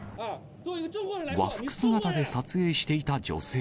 和服姿で撮影していた女性。